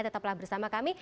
tetaplah bersama kami